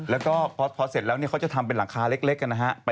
แล้วก็พอเสร็จแล้วเนี่ยเค้าจะทำไปหลังคาเล็กกันนะฮะ